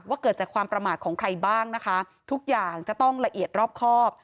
เกิดจากความประมาทของใครบ้างนะคะทุกอย่างจะต้องละเอียดรอบครอบ